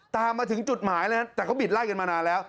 ตามมาถึงจุดหมายแล้วแต่เขาบิดไล่กันมานานแล้ว